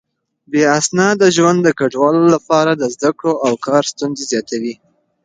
بې اسناده ژوند د کډوالو لپاره د زده کړو او کار ستونزې زياتوي.